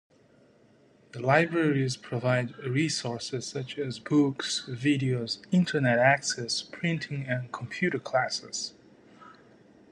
The libraries provide resources such as books, videos, internet access, printing, and computer classes.